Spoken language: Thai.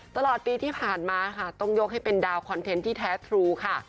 ตลอดปีที่ผ่านมาค่ะต้องยกให้เป็นดาวคอนเทนต์ที่แท้ทรูค่ะ